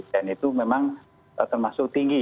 dan itu memang termasuk tinggi ya